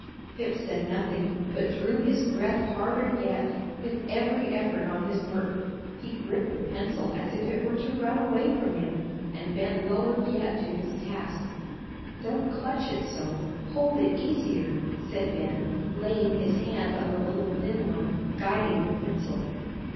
Pip said nothing, but drew his breath harder yet, with every effort on his work. He gripped the pencil as if it were to run away from him, and bent lower yet to his task. "Don't clutch it so; hold it easier," said Ben, laying his hand on the little thin one, guiding the pencil.